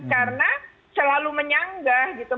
karena selalu menyanggah gitu